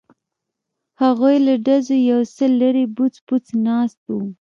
هغوی له ډزو یو څه لرې بوڅ بوڅ ناست وو.